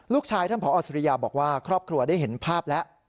ท่านผอสุริยาบอกว่าครอบครัวได้เห็นภาพแล้ว